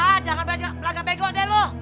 ah jangan banyak pelanggan bego deh lo